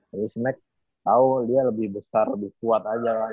terus mac tau dia lebih besar lebih kuat aja kan